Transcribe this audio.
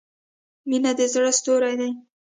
• مینه د زړۀ ستوری دی.